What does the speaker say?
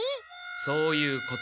そういうこと。